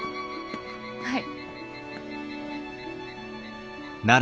はい。